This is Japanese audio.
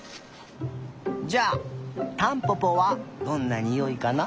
じゃあタンポポはどんなにおいかな。